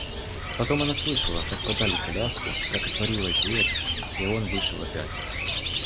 Потом она слышала, как подали коляску, как отворилась дверь, и он вышел опять.